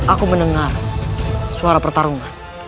aku mendengar suara pertarungan